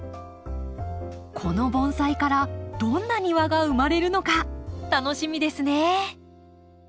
この盆栽からどんな庭が生まれるのか楽しみですね。